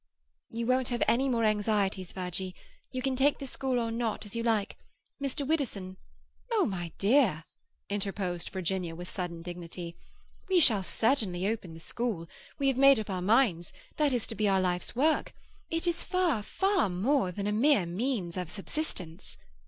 "You won't have any more anxieties, Virgie. You can take the school or not, as you like. Mr. Widdowson—" "Oh, my dear," interposed Virginia, with sudden dignity, "we shall certainly open the school. We have made up our minds; that is to be our life's work. It is far, far more than a mere means of subsistence.